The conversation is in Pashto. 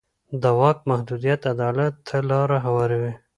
د واک محدودیت عدالت ته لاره هواروي